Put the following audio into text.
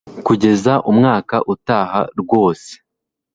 kugeza umwaka utaha rwose